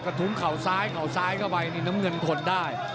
กระทุ้งขาวซ้ายขาวซ้ายเข้าไปน้ำเงินทนได้